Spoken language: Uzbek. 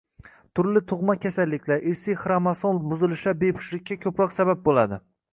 Turli tug‘ma kasalliklar, irsiy xromosom buzilishlar bepushtlikka ko‘proq sabab bo‘ladi.